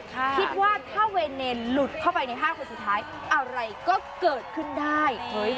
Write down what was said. คิดว่าถ้าเวรเนรหลุดเข้าไปใน๕คนสุดท้ายอะไรก็เกิดขึ้นได้